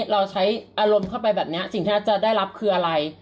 เราใช้อารมณ์เข้าไปแบบนี้สิ่งที่รัฐจะได้รับคืออะไร